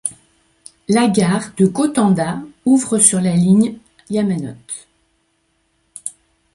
La gare de Gotanda ouvre le sur la ligne Yamanote.